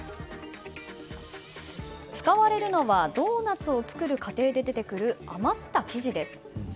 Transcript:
使われるのはドーナツを作る過程で出てくる余った生地です。